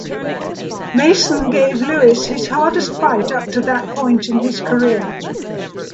Mason gave Lewis his hardest fight up to that point in his career.